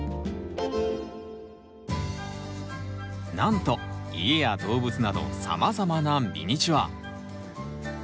なんと家や動物などさまざまなミニチュア。